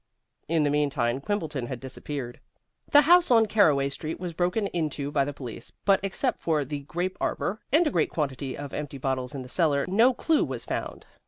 In the meantime, Quimbleton had disappeared. The house on Caraway Street was broken into by the police, but except for the grape arbor and a great quantity of empty bottles in the cellar, no clue was found.